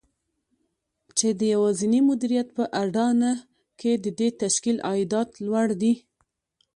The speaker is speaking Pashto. چې د يوازېني مديريت په اډانه کې د دې تشکيل عايدات لوړ دي.